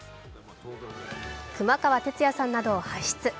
熊川哲也さんなどを輩出。